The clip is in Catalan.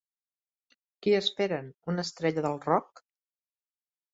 Qui esperen, una estrella del rock?